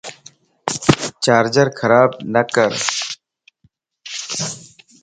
چارجر خراب نڪر